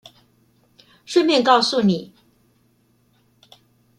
順便告訴你